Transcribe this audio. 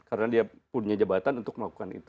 karena dia punya jabatan untuk melakukan itu